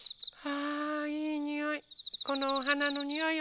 あいいにおい。